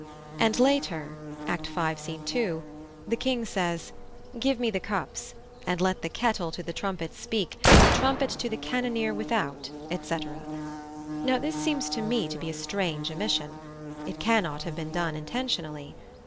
And, later (Act v., Scene 2), the King says, "Give me the cups; And let the kettle to the trumpet speak, The trumpet to the cannoneer without," etc. Now, this seems to me to be a strange omission. It cannot have been done intentionally.